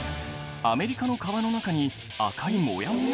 アメリカの川の中に赤いもやもや？